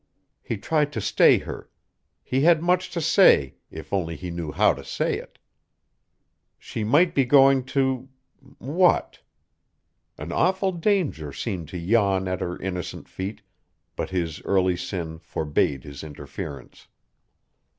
He tried to stay her. He had much to say, if only he knew how to say it. She might be going to what? An awful danger seemed to yawn at her innocent feet, but his early sin forbade his interference.